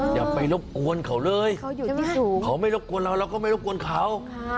อย่าไปรบกวนเขาเลยเขาอยู่ที่สูงเขาไม่รบกวนเราเราก็ไม่รบกวนเขา